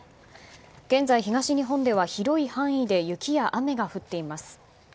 現在、東日本では広い範囲で雪や雨が降っています。